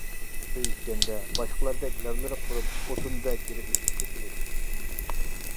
سۆيۈشكەندە باشقىلاردەك لەۋلىرى قۇرۇپ، ئوتۇندەك يىرىكلىشىپ كەتمەيتتى.